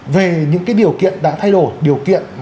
về những điều kiện đã thay đổi